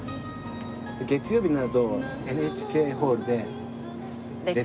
月曜日になるとＮＨＫホールで。